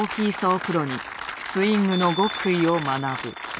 プロにスイングの極意を学ぶ。